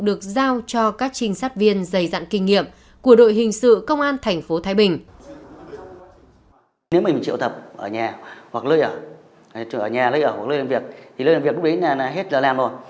quá trình làm việc thì nó vừa làm nó vừa đo